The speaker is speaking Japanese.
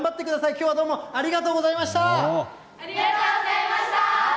きょうはどうもありがとうございありがとうございました。